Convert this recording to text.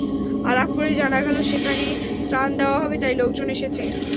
আলাপ করে জানা গেল, সেখানে ত্রাণ দেওয়া হবে, তাই লোকজন এসেছেন।